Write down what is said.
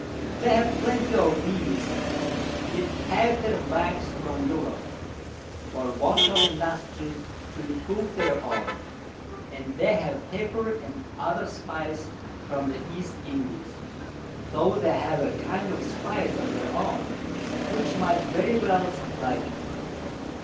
They have plenty of Bees, yet have their Wax from Europe, for want of Industry to improve their own, and they have Pepper and other Spice from the East Indies, tho' they have a kind of Spice of their own, which might very well supply them.